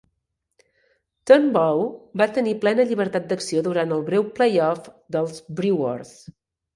Turnbow va tenir plena llibertat d'acció durant el breu playoff dels Brewers.